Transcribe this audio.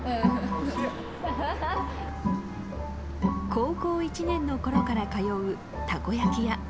高校１年の頃から通うたこ焼き屋。